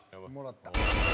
もらった。